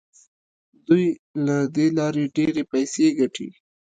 دوی له دې لارې ډیرې پیسې ګټي.